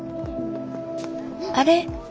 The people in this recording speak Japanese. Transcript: あれ？